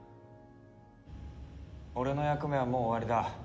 俺の役目はもう終わりだ。